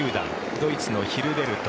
ドイツのヒルベルト